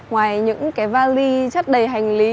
ngoài những cái vali chất đầy hành lý